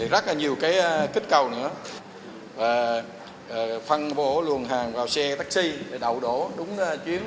rất là nhiều kích cầu nữa phân bổ luồng hàng vào xe taxi đậu đổ đúng chuyến